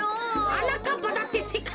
はなかっぱだってせかいいち